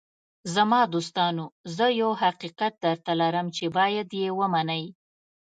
“زما دوستانو، زه یو حقیقت درته لرم چې باید یې ومنئ.